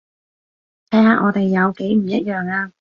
睇下我哋有幾唔一樣呀